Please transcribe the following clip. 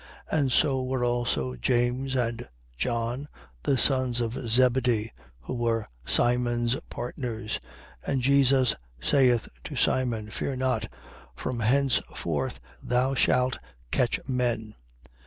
5:10. And so were also James and John, the sons of Zebedee, who were Simon's partners. And Jesus saith to Simon: Fear not: from henceforth thou shalt catch men.